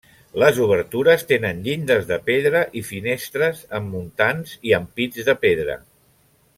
Les obertures tenen llindes de pedra i finestres amb muntants i ampits de pedra.